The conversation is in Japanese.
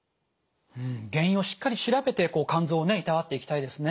原因をしっかり調べて肝臓をいたわっていきたいですね。